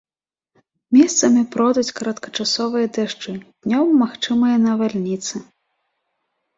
Месцамі пройдуць кароткачасовыя дажджы, днём магчымыя навальніцы.